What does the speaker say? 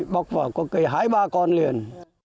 bóc vào có cây hái ba con liền